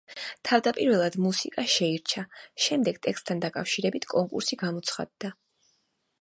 თავდაპირველად მუსიკა შეირჩა, შემდეგ, ტექსტთან დაკავშირებით კონკურსი გამოცხადდა.